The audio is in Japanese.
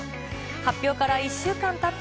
発表から１週間たった